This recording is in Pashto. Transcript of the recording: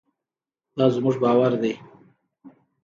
دا زموږ باور دی.